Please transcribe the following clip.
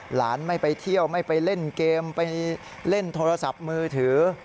หลานไม่ไปเที่ยวไม่ไปเล่นเกมไปเล่นโทรศัพท์มือถือ